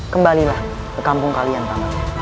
kembalilah ke kampung kalian taman